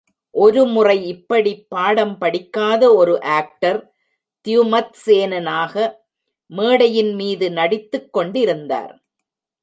ஒருமுறை இப்படிப் பாடம் படிக்காத ஒரு ஆக்டர் த்யுமத்சேனனாக மேடையின்மீது நடித்துக் கொண்டிருந்தார்.